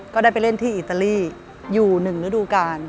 ก็ได้ไปเล่นที่อิตาลีอยู่๑ฤดูกาล